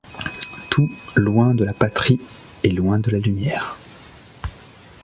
Tout, loin de la patrie et loin de la lumière